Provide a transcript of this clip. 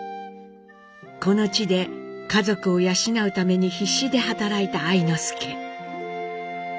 この地で家族を養うために必死で働いた愛之助。